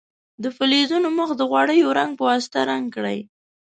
د فلزونو مخ د غوړیو رنګ په واسطه رنګ کړئ.